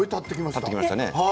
立ってきましたね。